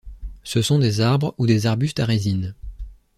Ce sont des arbres ou des arbustes à résine.